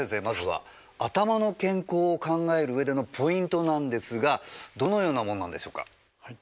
まずは頭の健康を考えるうえでのポイントなんですがどのようなものなんでしょうか？